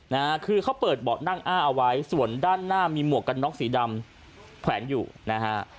นะฮะคือเขาเปิดเบาะนั่งอ้าเอาไว้ส่วนด้านหน้ามีหมวกกันน็อกสีดำแขวนอยู่นะฮะ